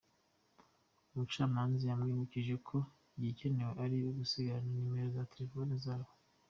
Umucamanza yamwibukije ko igikenewe ari ugusigarana nomero za telephones zabo.